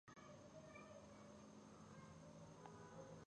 آیا د کاشان ګلاب اوبه مشهورې نه دي؟